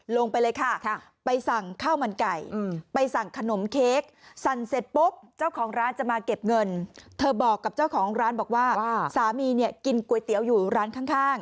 ลงไปเลยค่ะไปสั่งข้าวมันไก่ไปสั่งขนมเค้ก